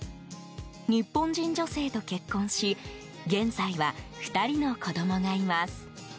日本人女性と結婚し現在は２人の子供がいます。